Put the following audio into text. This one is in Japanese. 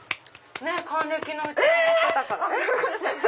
還暦のうちわ持ってたから。